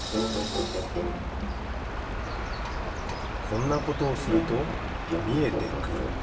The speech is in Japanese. こんなことをするとみえてくる。